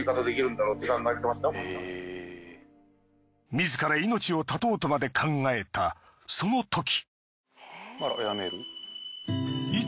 自ら命を絶とうとまで考えたそのとき。